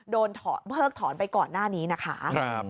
โดนเพิกถอนไปก่อนหน้านี้นะคะ